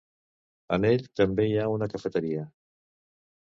En ell, també hi ha una cafeteria.